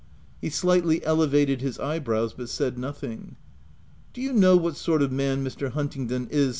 7 He slightly elevated his eyebrows, but said nothing. " Do you know what sort of man Mr. Hunt ingdon is